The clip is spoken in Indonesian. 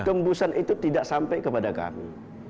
tembusan itu tidak sampai kepada kami